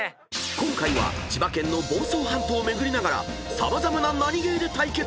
［今回は千葉県の房総半島を巡りながら様々なナニゲーで対決！